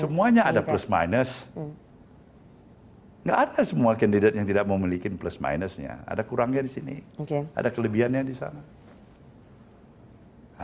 semuanya ada plus minus nggak ada semua kandidat yang tidak memiliki plus minusnya ada kurangnya di sini ada kelebihannya di sana